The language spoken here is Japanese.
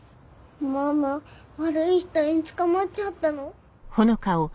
ママ悪い人に捕まっちゃったの？